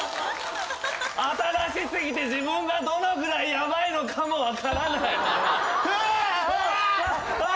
新し過ぎて自分がどのぐらいヤバいのかも分からない。